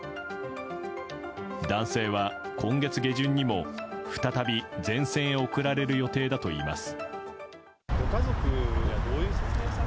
男性は今月下旬にも再び前線へ送られる予定だといいます。